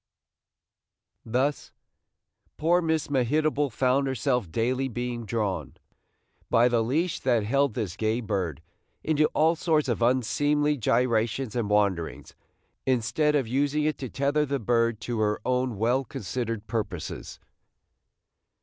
Thus poor Miss Mehitable found herself daily being drawn, by the leash that held this gay bird, into all sorts of unseemly gyrations and wanderings, instead of using it to tether the bird to her own well considered purposes.